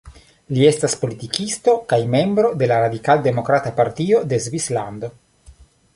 Li estas politikisto kaj membro de la Radikal-demokrata partio de Svislando.